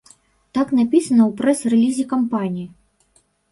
Так напісана ў прэс-рэлізе кампаніі.